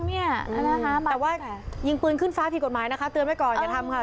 แต่ว่ายิงปืนขึ้นฟ้าผิดกฎหมายนะคะเตือนไว้ก่อนอย่าทำค่ะ